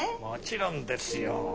もちろんですよ。